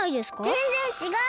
ぜんぜんちがう！